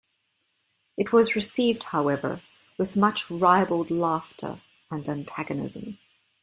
It was received however with much ribald laughter and antagonism.